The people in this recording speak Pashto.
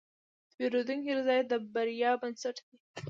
د پیرودونکي رضایت د بریا بنسټ دی.